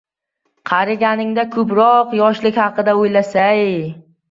Qariganingda ko‘proq yoshliging haqida o‘ylaysai.